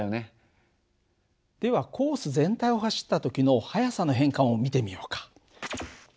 ではコース全体を走った時の速さの変化も見てみようか。